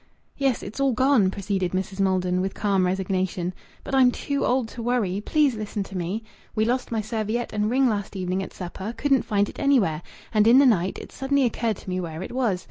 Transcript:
"Yes. It's all gone," proceeded Mrs. Maldon with calm resignation. "But I'm too old to worry. Please listen to me. We lost my serviette and ring last evening at supper. Couldn't find it anywhere. And in the night it suddenly occurred to me where it was.